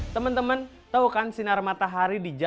teman teman tau kan sinar matahari di jawa